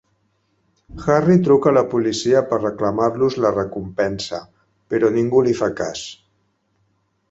Harry truca a la policia per reclamar-los la recompensa, però ningú li fa cas.